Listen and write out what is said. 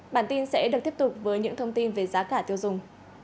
bản tin sẽ được tiếp tục với những thông tin về giá cả tiêu dùng